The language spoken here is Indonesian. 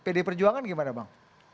pd perjuangan gimana bang